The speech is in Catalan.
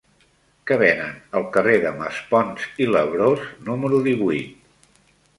Què venen al carrer de Maspons i Labrós número divuit?